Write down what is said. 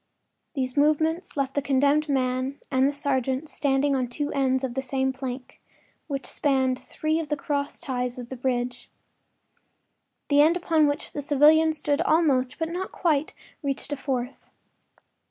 These movements left the condemned man and the sergeant standing on the two ends of the same plank, which spanned three of the cross ties of the bridge. The end upon which the civilian stood almost, but not quite, reached a fourth.